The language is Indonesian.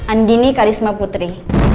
andini karisma putri